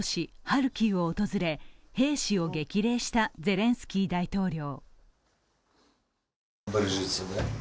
ハルキウを訪れ兵士を激励したゼレンスキー大統領。